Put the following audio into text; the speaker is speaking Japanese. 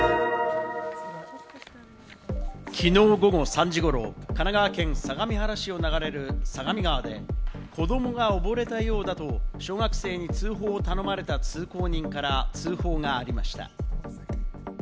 きのう午後３時ごろ、神奈川県相模原市を流れる相模川で子どもが溺れたようだと小学生に通報を頼まれた通行人から通報がありました。